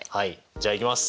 じゃあいきます。